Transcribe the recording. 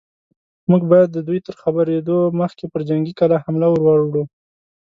موږ بايد د دوی تر خبرېدو مخکې پر جنګي کلا حمله ور وړو.